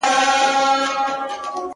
• پوليس کار پای ته رسوي او ورو ورو وځي..